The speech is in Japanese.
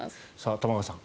玉川さん